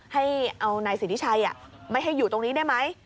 ให้เอานายสิทธิชัยไม่ให้อยู่ตรงนี้ได้ไหม